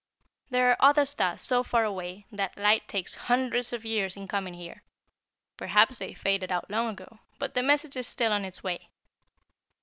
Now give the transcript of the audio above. There are other stars so far away that light takes hundreds of years in coming here. Perhaps they faded out long ago, but the message is still on its way.